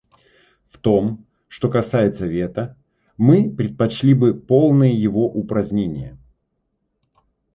В том, что касается вето, мы предпочли бы полное его упразднение.